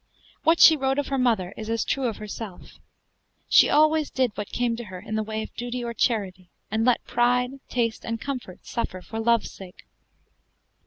What she wrote of her mother is as true of herself, "She always did what came to her in the way of duty or charity, and let pride, taste, and comfort suffer for love's sake."